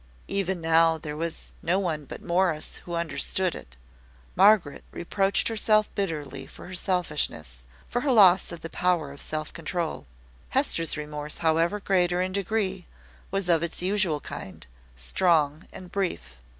Even now there was no one but Morris who understood it. Margaret reproached herself bitterly for her selfishness for her loss of the power of self control. Hester's remorse, however greater in degree, was of its usual kind, strong and brief.